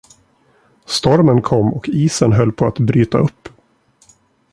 Stormen kom och isen höll på att bryta upp.